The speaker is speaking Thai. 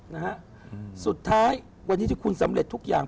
นะฮะสุดท้ายวันนี้ที่คุณสำเร็จทุกอย่าง